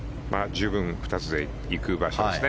十分２つで行く場所ですね。